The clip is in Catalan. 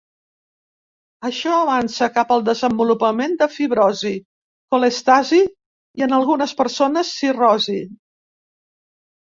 Això avança cap al desenvolupament de fibrosi, colèstasi i en algunes persones, cirrosi.